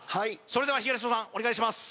それでは東野さんお願いします